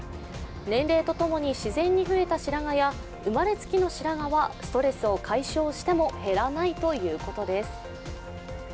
年齢とともに自然に増えた白髪や生まれつきの白髪はストレスを解消しても減らないということです。